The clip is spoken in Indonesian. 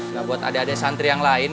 nah buat adek adek santri yang lain